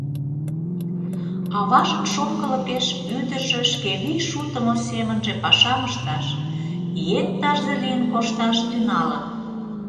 Аважын шоҥгылыкеш ӱдыржӧ шке вий шутымо семынже пашам ышташ, еҥ тарзе лийын кошташ тӱҥалын.